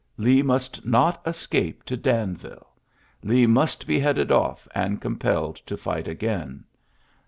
Lee must not escape to DanviUe. Lee must be headed of^ and compelled to fight again.